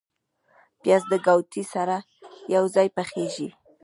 پیاز د ګاوتې سره یو ځای پخیږي